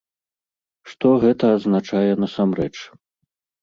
Што гэта азначае насамрэч?